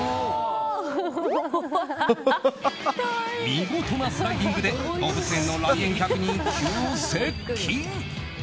見事なスライディングで動物園の来園客に急接近！